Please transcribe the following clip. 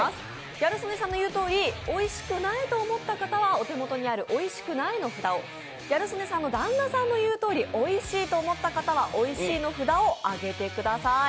ギャル曽根さんの言うとおりおいしくないと思った方はお手元にあるおいしくないの札を、ギャル曽根さんの旦那さんの言うとおり、おいしいと思った方はおいしいの札を上げてください。